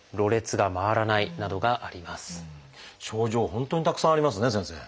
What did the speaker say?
本当にたくさんありますね先生。